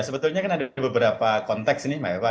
sebetulnya kan ada beberapa konteks ini mbak eva